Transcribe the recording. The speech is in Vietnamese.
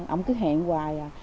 ông cứ hẹn hoài à